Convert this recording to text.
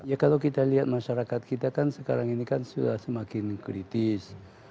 ya kalau kita lihat masyarakat kita kan sekarang ini kan sudah semakin kritis